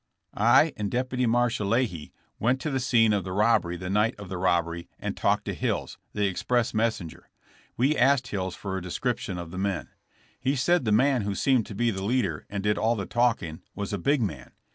171 I and Deputy Marshal Leahy went to the scene of the robbery the night of the robbery and talked to Hills, the express messenger. We asked Hills for a description of the men. He said the man who seemed to be the leader and did all the talking was a big man.